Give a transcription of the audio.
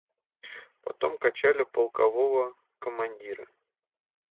Потом качали полкового командира.